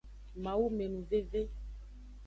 Mawumenuveve.